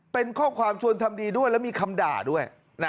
เป็นข้อความชวนทำดีด้วยแล้วมีคำด่าด้วย